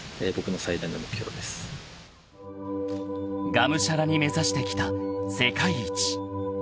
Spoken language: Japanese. ［がむしゃらに目指してきた世界一］